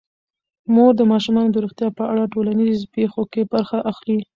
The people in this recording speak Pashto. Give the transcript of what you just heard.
مور د ماشومانو د روغتیا په اړه د ټولنیزو پیښو کې برخه اخلي.